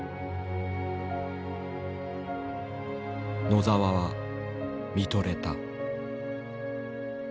野澤は見とれた。